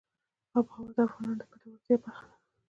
آب وهوا د افغانانو د ګټورتیا برخه ده.